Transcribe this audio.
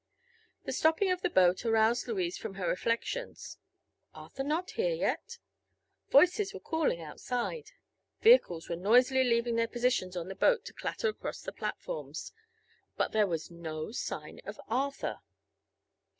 The stopping of the boat aroused Louise from her reflections. Arthur not here yet? Voices were calling outside; vehicles were noisily leaving their positions on the boat to clatter across the platforms. But there was no sign of Arthur.